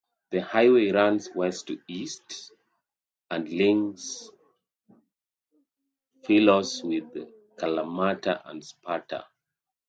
The highway runs west to east and links Pylos with Kalamata and Sparta.